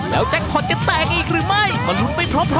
แล้วแจ๊กผ่อนจะแตกอีกหรือไม่มารุ้นไปพร้อมกันครับ